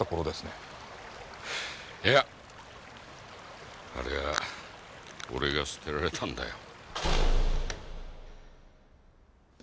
いやあれは俺が捨てられたんだよ。